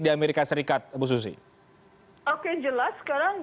di amerika serikat bu susi oke yang jelas sekarang